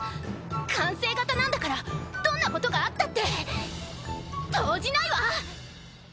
完成型なんだからどんなことがあったって動じないわ！